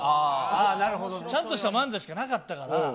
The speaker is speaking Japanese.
ちゃんとした漫才しかなかったから。